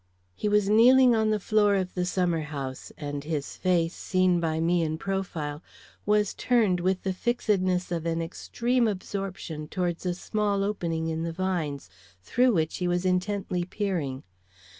He was kneeling on the floor of the summer house, and his face, seen by me in profile, was turned with the fixedness of an extreme absorption towards a small opening in the vines, through which he was intently peering.